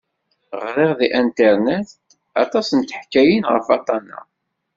Ɣriɣ deg anternet aṭas n teḥkayin ɣef waṭṭan-a.